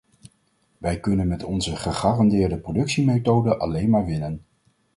Wij kunnen met onze gegarandeerde productiemethoden alleen maar winnen.